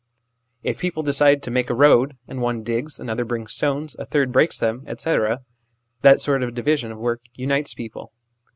If people decide to make a road, and one digs, another brings stones, a third breaks them, etc. that sort of division of work unites people.